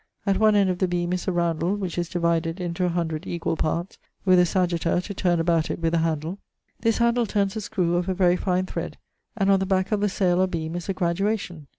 At one end of the beame is a roundle, which is divided into 100 equall parts, with a sagitta to turne about it with a handle: this handle turnes a skrew of a very fine thread, and on the back of the saile or beame is a graduation.